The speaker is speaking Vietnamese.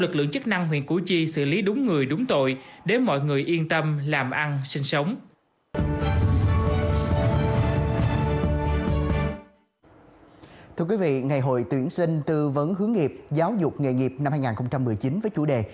thưa quý vị ngày hội tuyển sinh tư vấn hướng nghiệp giáo dục nghề nghiệp năm hai nghìn một mươi chín với chủ đề